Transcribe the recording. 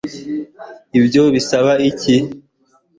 ibyo bisaba iki